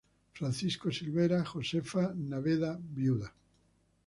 Francisco Silvera, Josefa Naveda Vda.